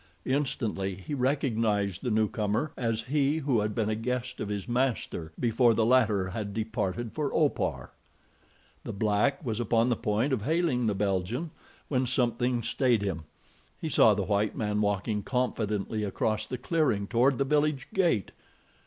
Instantly he recognized the newcomer as he who had been a guest of his master before the latter had departed for Opar. The black was upon the point of hailing the Belgian when something stayed him. He saw the white man walking confidently across the clearing toward the village gate.